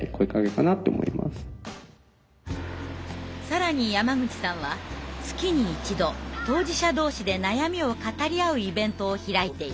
更に山口さんは月に１度当事者同士で悩みを語り合うイベントを開いています。